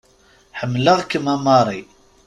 Ḥemmeleɣ-kem, a Mary.